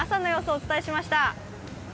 お伝えしました。